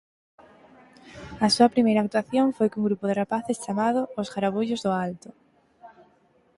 A súa primeira actuación foi cun grupo de rapaces chamado "Os Garabullos do Alto".